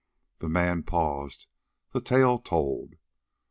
The man paused, the tale told.